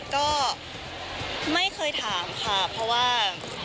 ก็ไม่เคยถามค่ะเพราะว่า